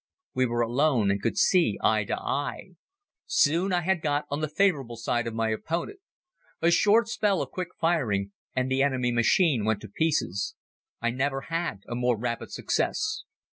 We were alone and could see eye to eye. Soon I had got on the favorable side of my opponent. A short spell of quick firing and the enemy machine went to pieces. I never had a more rapid success.